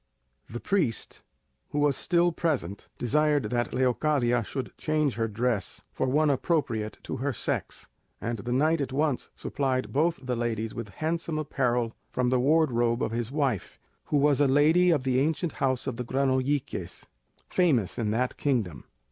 The priest, who was still present, desired that Leocadia should change her dress for one appropriate to her sex, and the knight at once supplied both the ladies with handsome apparel from the wardrobe of his wife, who was a lady of the ancient house of the Granolliques, famous in that kingdom.